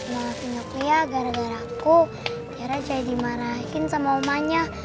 maafin aku ya gara gara aku tiara jadi marahin sama omahnya